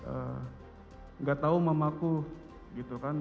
enggak tahu mamaku gitu kan